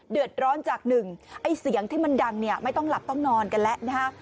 เดือดร้อนจากหนึ่งไอ้เสียงที่มันดังเนี่ยไม่ต้องหลับต้องนอนกันแล้วนะฮะ